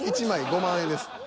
１枚５万円です。